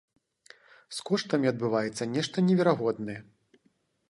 З коштамі адбываецца нешта неверагоднае.